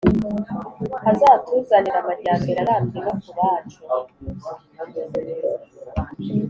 Hazatuzanire amajyambere arambye no kubacu